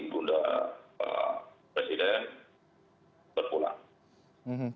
bunda presiden berpulang